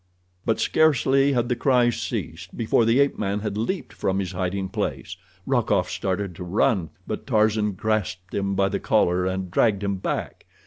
But scarcely had the cry ceased before the ape man had leaped from his hiding place. Rokoff started to run, but Tarzan grasped him by the collar and dragged him back.